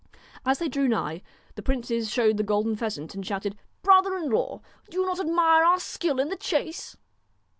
As they drew nigh, the princes showed the golden pheasant and shouted: 'Brother in law, do you not admire our skill in the chase